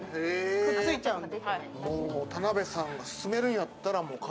くっついちゃうんで。